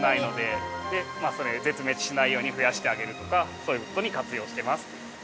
そういう事に活用してます。